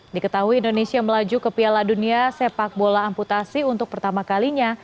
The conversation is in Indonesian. diketahui indonesia melaju ke piala dunia sepak bola amputasi untuk pertama kalinya